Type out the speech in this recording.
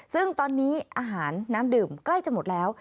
ซึ่งตอนนี้อาหารน้ำดื่มใกล้จะหมดแล้ว